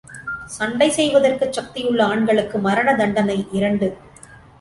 சண்டை செய்வதற்குச் சக்தியுள்ள ஆண்களுக்கு மரண தண்டனை இரண்டு.